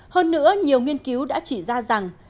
hơn nữa nhiều nghiên cứu đã chỉ ra rằng